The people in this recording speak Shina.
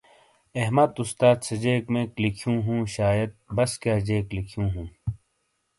احمد استاد سے جیک میک لکھیو ہوں شائید بسکیئائی جیک لکھیوں ہوں ۔